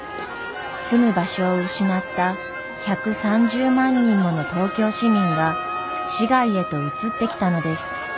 住む場所を失った１３０万人もの東京市民が市外へと移ってきたのです。